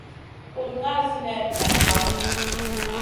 Kuɗ ŋal sinèh noŋ kaf.